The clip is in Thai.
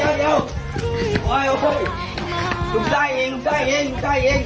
เอาไปแต่ว่าแม่ไม่ได้เล่น